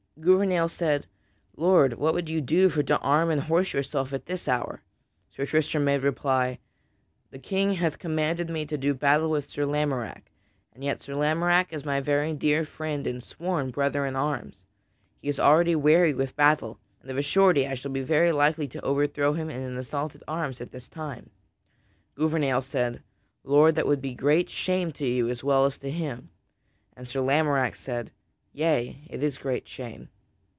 Gouvernail said: "Lord, what would you do for to arm and horse yourself at this hour?" Sir Tristram made reply: "The King hath commanded me to do battle with Sir Lamorack, and yet Sir Lamorack is my very dear friend and sworn brother in arms. He is already weary with battle, and of a surety I shall be very likely to overthrow him in an assault at arms at this time." Gouvernail said, "Lord, that would be great shame to you as well as to him." And Sir Tristram said, "Yea, it is great shame."